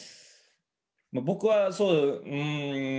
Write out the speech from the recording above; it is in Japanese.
まあ僕はそううん。